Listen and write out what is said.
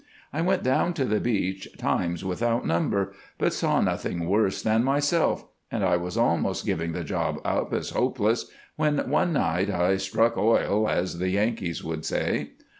I went down to the beach times without number, but saw nothing worse than myself, and I was almost giving the job up as hopeless, when one night 'I struck oil,' as the Yankees would say."